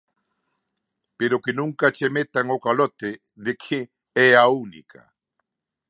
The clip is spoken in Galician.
Pero que nunca che metan o calote de que é a única.